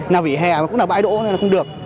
nào vỉa hè cũng là bãi đỗ nên là không được